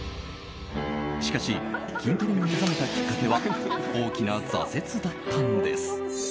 しかし筋トレに目覚めたきっかけは大きな挫折だったんです。